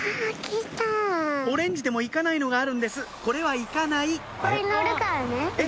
オレンジでも行かないのがあるんですこれは行かないえっ